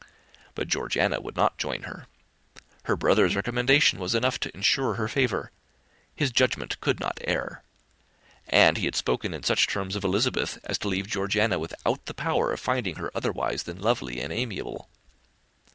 But Georgiana would not join her. Her brother's recommendation was enough to insure her favour: his judgment could not err; and he had spoken in such terms of Elizabeth, as to leave Georgiana without the power of finding her otherwise than lovely and amiable.